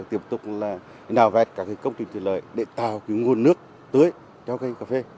tiếp tục là nào vẹt các công trình thuyền lợi để tạo nguồn nước tưới cho cây cà phê